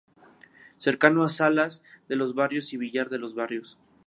Cercano a Salas de los Barrios y Villar de los Barrios.